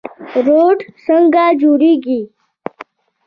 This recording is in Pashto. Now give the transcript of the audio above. روټ څنګه جوړیږي؟